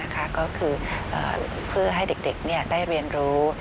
ก็คือเพื่อให้เด็กได้เรียนรู้